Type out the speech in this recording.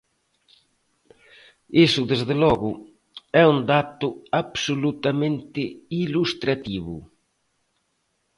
Iso, desde logo, é un dato absolutamente ilustrativo.